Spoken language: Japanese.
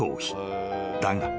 ［だが］